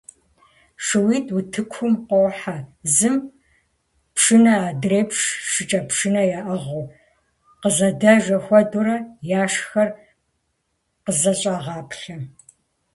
ШууитӀ утыкум къохьэ, зым пшынэ, адрейм шыкӀэпшынэ яӀыгъыуи, къызэдэжэ хуэдэурэ яшхэр къызэщӀагъаплъэ.